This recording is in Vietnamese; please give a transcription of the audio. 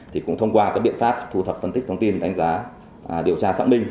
thì cũng thông qua các biện pháp thu thập phân tích thông tin đánh giá điều tra xác minh